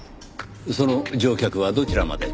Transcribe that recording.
その乗客はどちらまで？